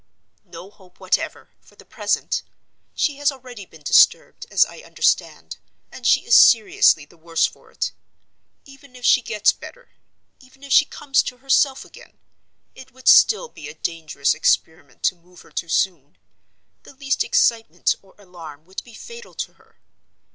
"No hope whatever, for the present. She has already been disturbed, as I understand, and she is seriously the worse for it. Even if she gets better, even if she comes to herself again, it would still be a dangerous experiment to move her too soon—the least excitement or alarm would be fatal to her.